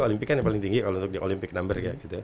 olympic kan yang paling tinggi kalau di olympic number